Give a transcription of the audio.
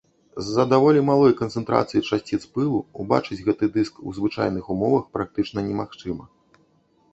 З-за даволі малой канцэнтрацыі часціц пылу убачыць гэты дыск у звычайных умовах практычна немагчыма.